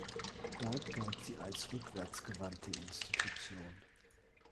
Dort galt sie als rückwärtsgewandte Institution.